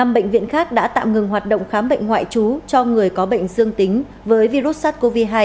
một mươi bệnh viện khác đã tạm ngừng hoạt động khám bệnh ngoại trú cho người có bệnh dương tính với virus sars cov hai